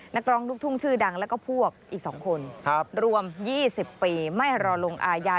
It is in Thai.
นักร้องลูกทุ่งชื่อดังแล้วก็พวกอีก๒คนรวม๒๐ปีไม่รอลงอาญา